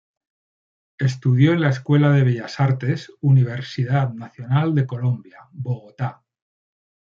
Estudió en la Escuela de Bellas Artes, Universidad Nacional de Colombia, Bogotá.